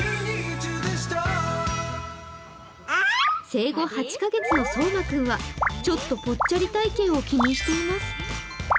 生後８カ月のそうま君はちょっとぽっちゃり体型を気にしています。